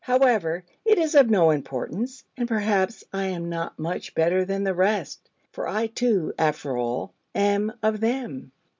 However, it is of no importance: and perhaps I am not much better than the rest, for I, too, after all, am of them.